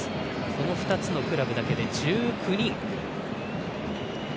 その２つのクラブだけで１９人。